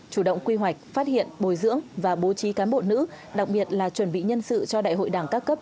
chủ động quy hoạch phát hiện bồi dưỡng và bố trí cán bộ nữ đặc biệt là chuẩn bị nhân sự cho đại hội đảng các cấp